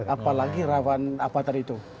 apalagi rawan apa tadi itu